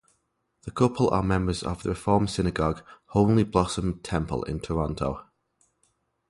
The couple are members of the Reform synagogue, Holy Blossom Temple in Toronto.